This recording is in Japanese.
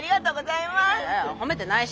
いや褒めてないし。